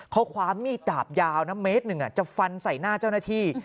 เขาคว้ามีดดาบยาวนะเมตรหนึ่งจะฟันใส่หน้าเจ้าหน้าที่